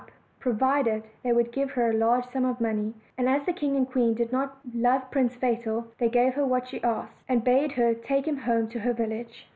115 up, provided they would give her a large sum of money; and as the king and queen did not love Prince Fatal, they gave her what she asked, and bade her take him home to her village.